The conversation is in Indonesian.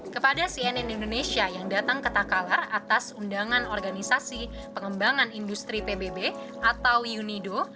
kepada cnn indonesia yang datang ke takalar atas undangan organisasi pengembangan industri pbb atau unido